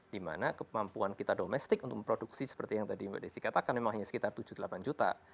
dimana kemampuan kita domestik untuk memproduksi seperti yang tadi mbak desi katakan memang hanya sekitar tujuh puluh delapan juta